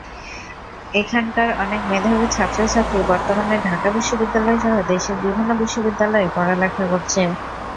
এখানকার অনেক মেধাবী ছাত্রছাত্রী বর্তমানে ঢাকা বিশ্ববিদ্যালয়সহ দেশের বিভিন্ন বিশ্ববিদ্যালয়ে পড়ালেখা করছে।